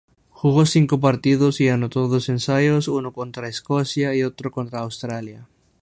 Jugó cinco partidos y anotó dos ensayos, uno contra Escocia y otro contra Australia.